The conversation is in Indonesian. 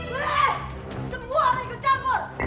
weh semua orang ikut campur